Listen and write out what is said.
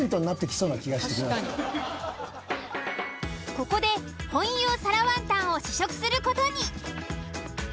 ここで紅油皿ワンタンを試食する事に。